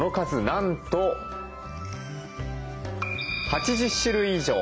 なんと８０種類以上。